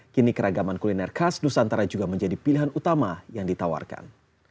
kini keragaman kuliner khas nusantara juga menjadi pilihan utama yang ditawarkan